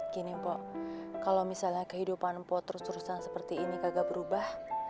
gini mpok kalau misalnya kehidupan mpo terus terusan seperti ini kagak berubah